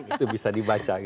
itu bisa dibaca